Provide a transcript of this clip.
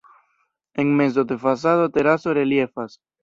En mezo de fasado teraso reliefas.